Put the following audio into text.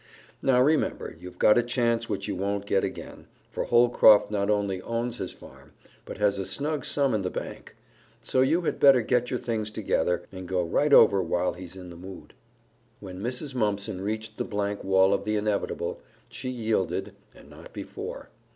Now remember, you've got a chance which you won't get again, for Holcroft not only owns his farm, but has a snug sum in the bank. So you had better get your things together, and go right over while he's in the mood." When Mrs. Mumpson reached the blank wall of the inevitable, she yielded, and not before.